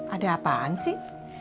ada apaan sih